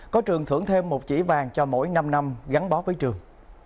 có trường thưởng thêm một chỉ vàng cho mỗi năm năm gắn bó với trường